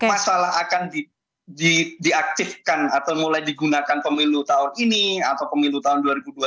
masalah akan diaktifkan atau mulai digunakan pemilu tahun ini atau pemilu tahun dua ribu dua puluh